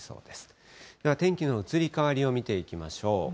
では天気の移り変わりを見ていきましょう。